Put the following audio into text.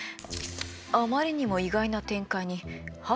あまりにも意外な展開に母ビックリ。